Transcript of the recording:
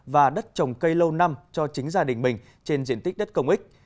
và đất trồng cây lâu năm cho chính gia đình mình trên diện tích đất công ích